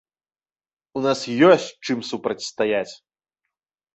У нас ёсць чым супрацьстаяць.